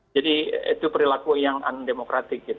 jadi itu perilaku yang undemokratik